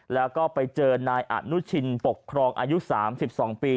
แล้วก็ไปเจอนายอนุชินปกครองอายุ๓๒ปี